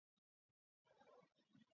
მუზეუმი კი დახურეს.